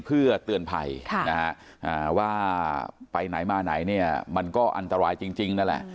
เพื่อเตือนภัยว่าไปไหนมาไหนเนี่ยมันก็อันตรายจริงนั่นแหละ